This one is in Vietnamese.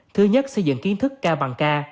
thứ nhất xây dựng kiến thức ca bằng ca